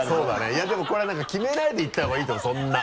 いやでもこれは何か決めないでいった方がいいと思うそんな。